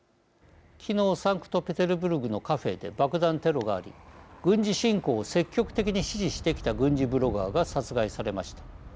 昨日サンクトペテルブルクのカフェで爆弾テロがあり軍事侵攻を積極的に支持してきた軍事ブロガーが殺害されました。